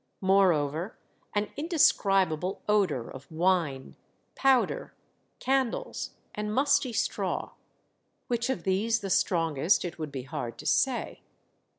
Moreover, an indescribable odor of wine, powder, candles, and musty straw ; which of these the strongest, it would be hard to say.